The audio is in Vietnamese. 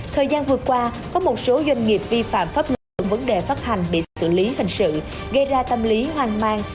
thời gian vừa qua có một số doanh nghiệp vi phạm pháp luận vấn đề phát hành bị xử lý hành sự gây ra tâm lý hoang mang